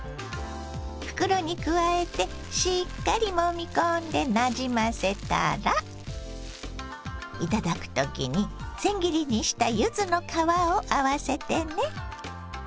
袋に加えてしっかりもみ込んでなじませたら頂く時にせん切りにした柚子の皮を合わせてね。